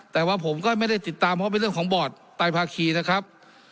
แต่ว่าผมก็ไม่ได้ติดตามเพราะเป็นเรื่องของบอร์ดไตภาคีนะครับ